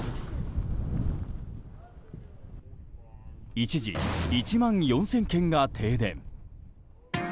一時１万４０００軒が停電。